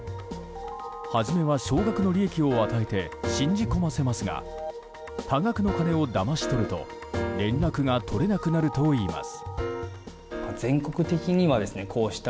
初めは少額の利益を与えて信じ込ませますが多額の金をだまし取ると連絡が取れなくなるといいます。